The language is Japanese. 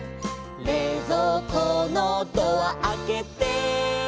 「れいぞうこのドアあけて」